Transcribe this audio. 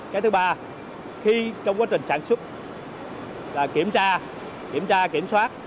cái thứ ba khi trong quá trình sản xuất là kiểm tra kiểm soát